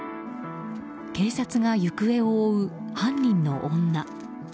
警察が行方を追う犯人の女。